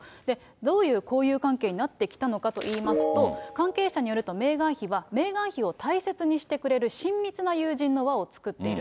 どういう交友関係になってきたのかと言いますと、関係者によると、メーガン妃は、メーガン妃を大切にしてくれる親密な友人の輪を作っている。